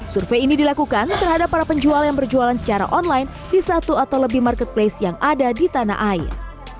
survei ini dilakukan terhadap para penjual yang berjualan secara online di satu atau lebih marketplace yang ada di tanah air